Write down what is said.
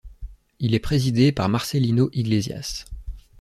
Il est présidé par Marcelino Iglesias.